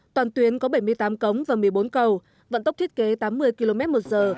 toàn tuyến có bảy mươi tám cống và một mươi bốn cầu vận tốc thiết kế tám mươi km một giờ